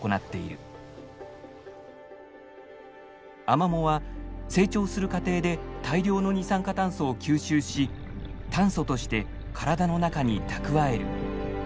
アマモは成長する過程で大量の二酸化炭素を吸収し炭素としてからだの中に蓄える。